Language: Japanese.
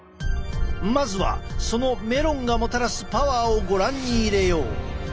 まずはそのメロンがもたらすパワーをご覧に入れよう。